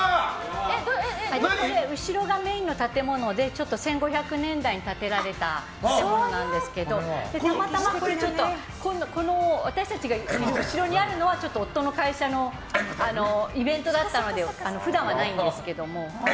後ろがメインの建物で１５００年代に建てられた建物なんですけどたまたま私たちの後ろにあるのは夫の会社のイベントだったので普段はないんですけども。